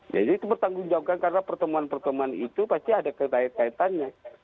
jadi itu bertanggung jawabkan karena pertemuan pertemuan itu pasti ada keterkaitannya